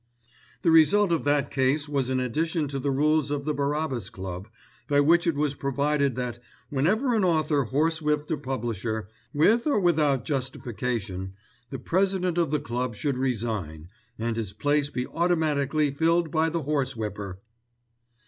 "The result of that case was an addition to the rules of the Barabbas Club, by which it was provided that, whenever an author horsewhipped a publisher, with or without justification, the president of the club should resign, and his place be automatically filled by the horsewhipper."